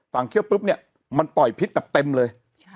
เคี่ยวปุ๊บเนี่ยมันปล่อยพิษแบบเต็มเลย